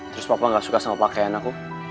terus papa gak suka sama pakaian aku